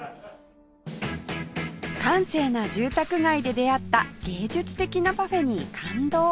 閑静な住宅街で出会った芸術的なパフェに感動